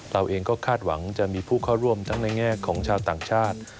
เราเองก็คาดหวังจะมีผู้เข้าร่วมทั้งในแง่ของชาวต่างชาติ